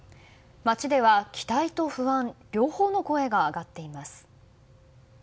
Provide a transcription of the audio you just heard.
街では期待と不安両方の声が上がっています。